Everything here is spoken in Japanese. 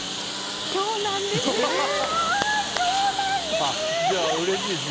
今日なんです！